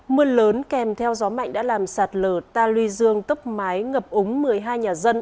mưa lớn kèm theo gió mạnh đã làm sạt lở ta luy dương tốc mái ngập úng một mươi hai nhà dân